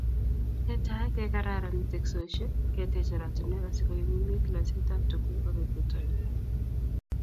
Ne tai, kekararan teksosyek, keteech oratinweek asi konyumnyumit loiseetab tuguuk ako kiprutoinik.